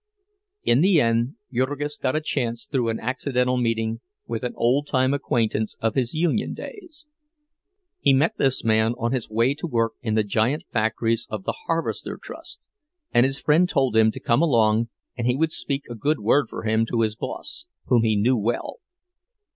In the end Jurgis got a chance through an accidental meeting with an old time acquaintance of his union days. He met this man on his way to work in the giant factories of the Harvester Trust; and his friend told him to come along and he would speak a good word for him to his boss, whom he knew well.